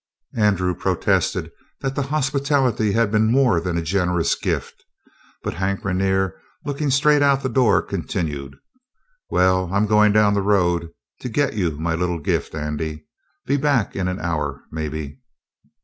Andrew protested that the hospitality had been more than a generous gift, but Hank Rainer, looking straight out the door, continued: "Well, I'm goin' down the road to get you my little gift, Andy. Be back in an hour maybe."